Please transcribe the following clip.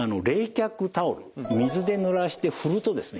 水で濡らして振るとですね